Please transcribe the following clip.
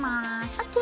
ＯＫ。